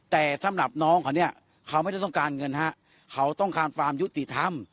แต่สำหรับน้องเขาเนี่ยเขาไม่ได้ต้องการเงินฮะเขาต้องการความยุติธรรม